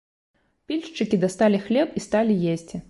Пільшчыкі дасталі хлеб і сталі есці.